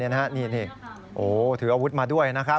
นี่ถืออาวุธมาด้วยนะครับ